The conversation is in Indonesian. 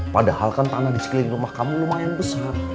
padahal kan tanah di sekeliling rumah kamu lumayan besar